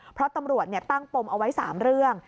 เพราะตำรวจตั้งปมเอาไว้๓เรื่อง